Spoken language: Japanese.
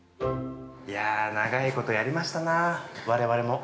いや、長いことやりましたな、我々も。